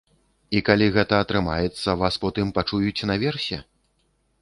І калі гэта атрымаецца, вас потым пачуюць наверсе?